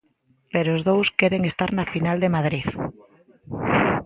Pero os dous queren estar na final de Madrid.